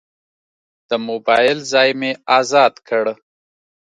د موبایل ځای مې ازاد کړ.